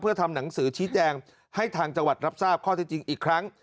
เพื่อทำหนังสือชี้แจงให้ทางจังหวัดรับทราบข้อที่จริงอีกครั้ง